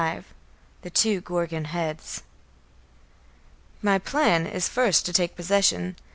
XXV THE TWO GORGON HEADS "My plan is first to take possession.